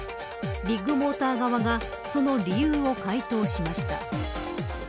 ビッグモーター側がその理由を回答しました。